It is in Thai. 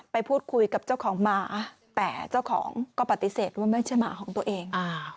ไปพูดคุยกับเจ้าของหมาแต่เจ้าของก็ปฏิเสธว่าไม่ใช่หมาของตัวเอง